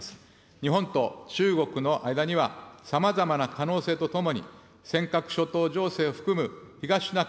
日本と中国の間には、さまざまな可能性とともに、尖閣諸島情勢を含む東シナ海、